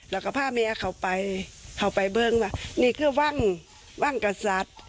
เรากับพ่อแม่เข้าไปเข้าไปเบิ้งว่านี่คือว่างว่างกษัตริย์